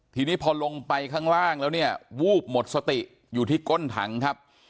ทีนี้พอลงไปข้างล่างแล้วเนี่ยวูบหมดสติอยู่ที่ก้นถังครับ